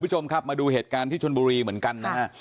คุณผู้ชมครับมาดูเหตุการณ์ที่ชนบุรีเหมือนกันนะฮะ